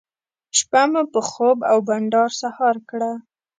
شپه مو په خوب او بانډار سهار کړه.